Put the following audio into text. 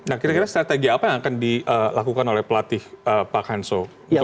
nah kira kira strategi apa yang akan dilakukan oleh pelatih pak hanso